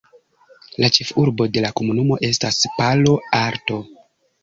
La ĉefurbo de la komunumo estas Palo Alto.